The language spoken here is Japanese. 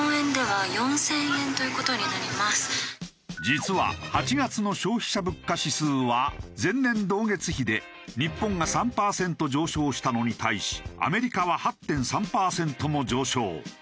実は８月の消費者物価指数は前年同月比で日本が３パーセント上昇したのに対しアメリカは８．３パーセントも上昇。